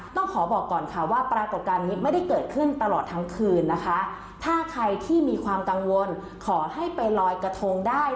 ต้องขอบอกก่อนค่ะว่าปรากฏการณ์นี้ไม่ได้เกิดขึ้นตลอดทั้งคืนนะคะถ้าใครที่มีความกังวลขอให้ไปลอยกระทงได้